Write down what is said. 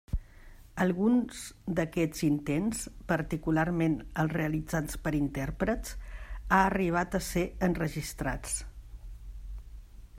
Alguns d'aquests intents, particularment els realitzats per intèrprets, ha arribat a ser enregistrats.